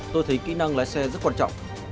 tôi thấy kỹ năng lái xe rất quan trọng